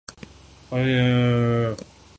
پاک فوج فضائی ہو، بحری ہو یا بری، اس وقت ہدف ہے۔